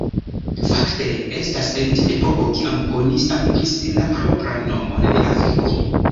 Fakte estas en tiu epoko kiam oni stampis la propran nomon de Afriko.